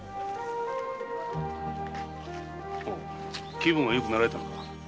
気分はよくなられたのか？